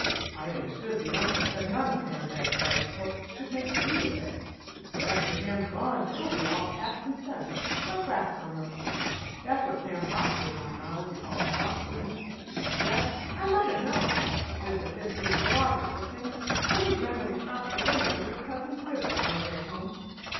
I understood the uncle said none o' Sam Begg's wife's folks should make free with it, so after Sam's gone it'll all be past an' spent, like last summer. That's what Sam prospers on now, if you can call it prosperin'. Yes, I might have known. 'Tis the 15th o' August with him, an' he gener'ly stops to dinner with a cousin's widow on the way home.